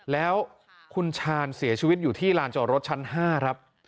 แล้วคุณชาญเสียชีวิตอยู่ที่ลานจอดรถชั้น๕ครับ